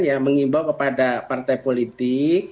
yang mengimbau kepada partai politik